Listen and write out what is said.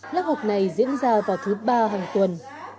lớp học này diễn ra vào thứ ba hàng tuần